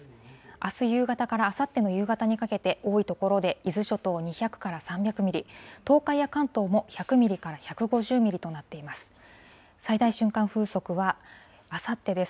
あす夕方からあさっての夕方にかけて、多い所で伊豆諸島２００から３００ミリ、東海や関東も１００ミリから１５０ミリとなっています。